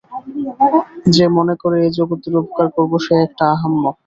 যে মনে করে, এ জগতের উপকার করব, সে একটা আহাম্মক।